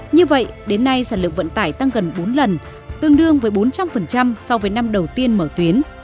như vậy đến nay sản lượng vận tải tăng gần bốn lần tương đương với bốn trăm linh so với năm đầu tiên mở tuyến